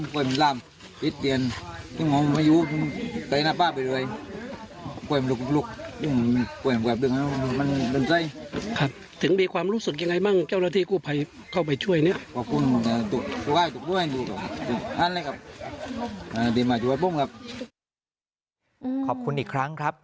ขอบคุณอีกครั้งครับ